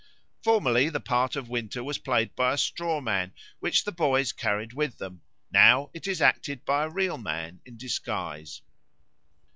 Formerly the part of Winter was played by a straw man which the boys carried with them; now it is acted by a real man in disguise.